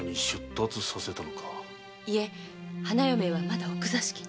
いえ花嫁はまだ奥座敷に。